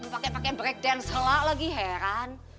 pake pake breakdance helak lagi heran